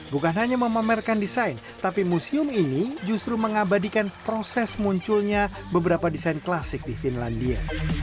bukan hanya memamerkan desain tapi museum ini justru mengabadikan proses munculnya beberapa desain klasik di finlandia